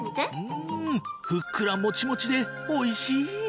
うんふっくらもちもちで美味しい！